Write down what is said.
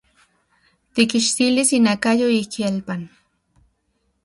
Tikkixtilis inakayo ik ielpan.